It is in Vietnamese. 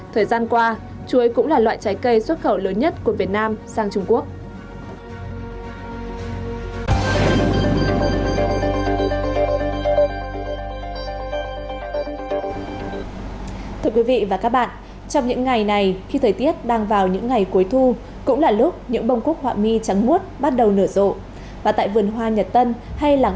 thời gian qua chuối cũng là loại trái cây xuất khẩu lớn nhất của việt nam